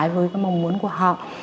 với các mong muốn của họ